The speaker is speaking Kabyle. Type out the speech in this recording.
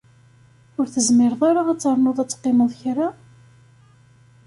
Ur tezmireḍ ad ternuḍ ad teqqimeḍ kra?